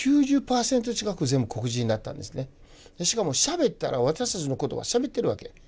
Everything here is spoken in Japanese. しかもしゃべったら私たちの言葉しゃべってるわけ。